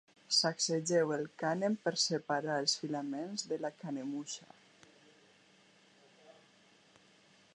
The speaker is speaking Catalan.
Sacsegeu el cànem per separar els filaments de la canemuixa.